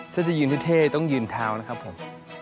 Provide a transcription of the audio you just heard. จะจะยืนให้เท่ต้องยืนท้าวนะครับผม